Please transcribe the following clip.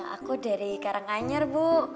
aku dari karanganyar bu